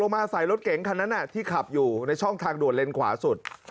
มาใส่รถเก๋งคันนั้นที่ขับอยู่ในช่องทางด่วนเลนขวาสุด